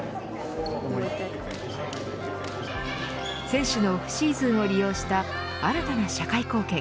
選手のオフシーズンを利用した新たな社会貢献。